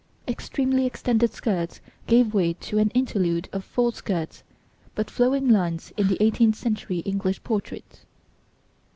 Extremely extended skirts gave way to an interlude of full skirts, but flowing lines in the eighteenth century English portraits.